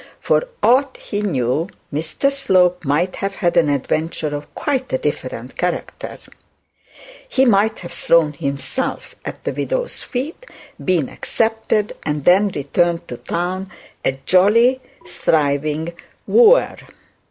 For aught he knew, Mr Slope might have had an adventure of quite a different character. He might have thrown himself at the widow's feet, been accepted, and then returned to town a jolly, thriving wooer.